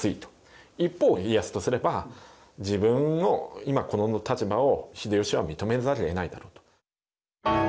一方家康とすれば自分の今この立場を秀吉は認めざるをえないだろうと。